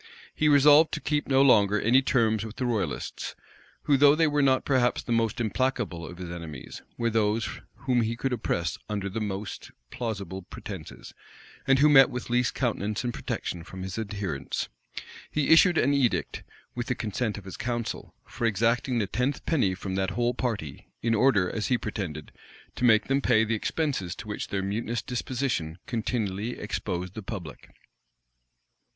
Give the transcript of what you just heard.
He resolved to keep no longer any terms with the royalists, who, though they were not perhaps the most implacable of his enemies, were those whom he could oppress under the most plausible pretences, and who met with least countenance and protection from his adherents. He issued an edict, with the consent of his council, for exacting the tenth penny from that whole party; in order, as he pretended, to make them pay the expenses to which their mutinous disposition continually exposed the public.